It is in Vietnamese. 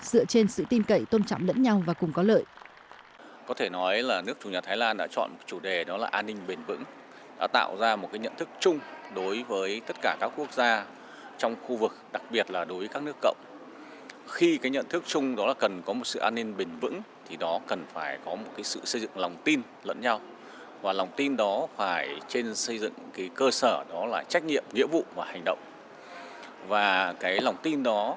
dựa trên sự tin cậy tôn trọng lẫn nhau và cùng có lợi